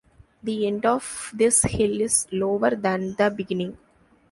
The end of this hill is lower than the beginning.